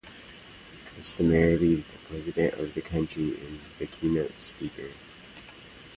Customarily, the president of the country is the keynote speaker.